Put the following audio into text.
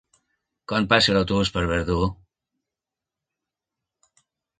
Quan passa l'autobús per Verdú?